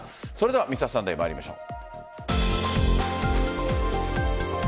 「Ｍｒ．サンデー」参りましょう。